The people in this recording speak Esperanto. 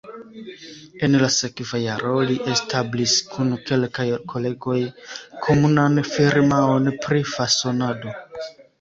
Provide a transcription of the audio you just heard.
En la sekva jaro li establis kun kelkaj kolegoj komunan firmaon pri fasonado.